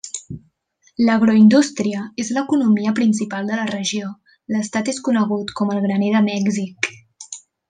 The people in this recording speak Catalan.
L'agroindústria és l'economia principal de la regió; l'estat és conegut com el graner de Mèxic.